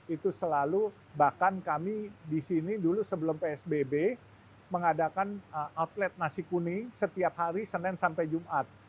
itu selalu bahkan kami di sini dulu sebelum psbb mengadakan outlet nasi kuning setiap hari senin sampai jumat